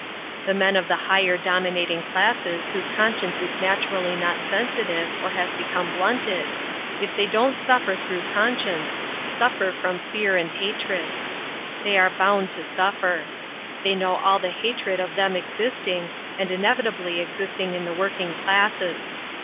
The men of the higher dominating classes whose conscience is naturally not sensitive or has become blunted, if they don't suffer through conscience, suffer from fear and hatred. They are bound to suffer. They know all the hatred of them existing, and inevitably existing in the working classes.